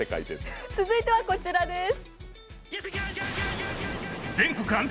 続いてはこちらです。